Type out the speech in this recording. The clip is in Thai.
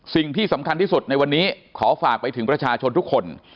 สิ่งที่สำคัญที่สุดในวันนี้ขอฝากไปถึงประชาชนทุกคน